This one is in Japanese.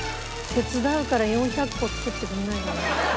手伝うから４００個作ってくれないかな。